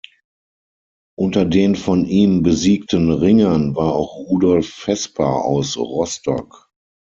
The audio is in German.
Unter den von ihm besiegten Ringern war auch Rudolf Vesper aus Rostock.